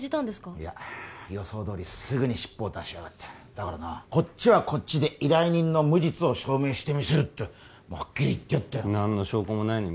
いや予想どおりすぐに尻尾を出しやがっただからなこっちはこっちで依頼人の無実を証明してみせるとはっきり言ってやったよ何の証拠もないのに？